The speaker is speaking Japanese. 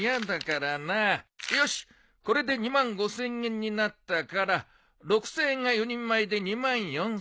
よしこれで２５，０００円になったから６，０００円が４人前で２４，０００円。